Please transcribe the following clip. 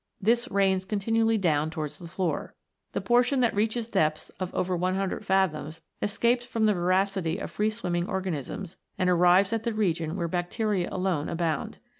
This rains continually down towards the floor. The portion that reaches depths of over 100 fathoms escapes from the voracity of free swimming organisms and arrives at the region where bacteria alone abound.